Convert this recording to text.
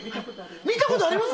見たことあります。